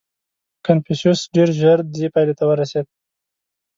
• کنفوسیوس ډېر ژر دې پایلې ته ورسېد.